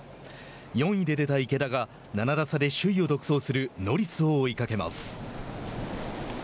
４位で出た池田が７打差で首位を独走するノリスを追いかけます。